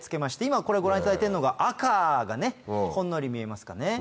今ご覧いただいているのが赤がほんのり見えますかね。